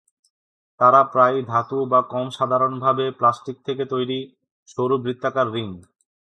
তারা প্রায়ই ধাতু বা কম সাধারণভাবে প্লাস্টিক থেকে তৈরি সরু বৃত্তাকার রিং।